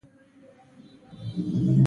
• ونه د چاپېریال ښه والي ته مرسته کوي.